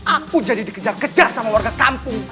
aku jadi dikejar kejar sama warga kampung